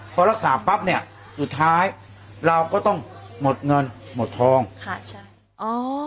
พอรักษาปั๊บเนี่ยสุดท้ายเราก็ต้องหมดเงินหมดทองค่ะใช่อ๋อ